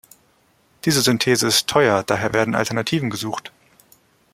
Diese Synthese ist teuer, daher werden Alternativen gesucht.